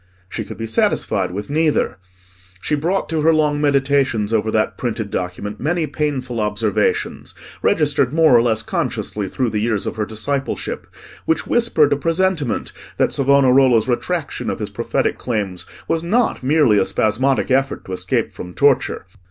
She could be satisfied with neither. She brought to her long meditations over that printed document many painful observations, registered more or less consciously through the years of her discipleship, which whispered a presentiment that Savonarola's retraction of his prophetic claims was not merely a spasmodic effort to escape from torture.